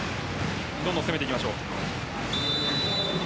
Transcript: どんどん攻めていきましょう。